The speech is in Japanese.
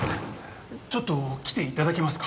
ちょっと来ていただけますか？